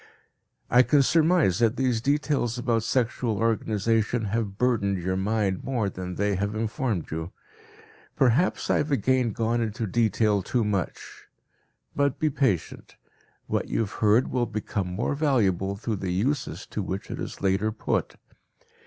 I can surmise that these details about sexual organization have burdened your mind more than they have informed you. Perhaps I have again gone into detail too much. But be patient; what you have heard will become more valuable through the uses to which it is later put.